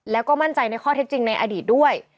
แล้วก็มั่นใจในข้อเท็จจริงในอดีตด้วย